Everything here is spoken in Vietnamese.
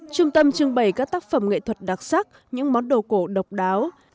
trung tâm trưng bày các tác phẩm nghệ thuật đặc sắc những món đồ cổ độc đáo